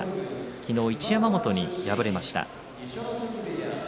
昨日、一山本に敗れました。